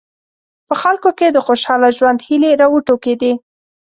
په خلکو کې د خوشاله ژوند هیلې راوټوکېدې.